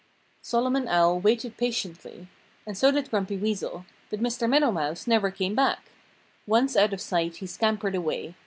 Solomon Owl waited patiently. And so did Grumpy Weasel. But Mr. Meadow Mouse never came back. Once out of sight he scampered away.